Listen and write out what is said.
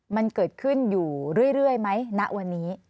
มันเกิดขึ้นอยู่เรื่อยไหมณวันนี้